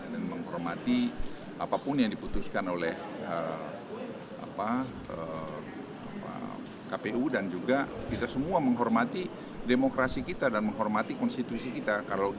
dan menghormati apapun yang diputuskan oleh kpu dan juga kita semua menghormati demokrasi kita dan menghormati konstitusi kita